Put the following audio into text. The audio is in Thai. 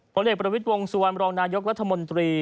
ผลเอกประวิทย์วงสุวรรณรองนายกรัฐมนตรี